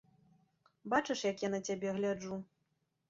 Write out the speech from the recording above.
Бачыш, як я на цябе гляджу.